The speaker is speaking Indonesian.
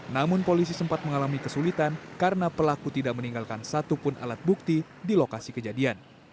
namun polisi sempat mengalami kesulitan karena pelaku tidak meninggalkan satupun alat bukti di lokasi kejadian